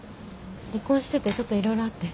離婚しててちょっといろいろあって。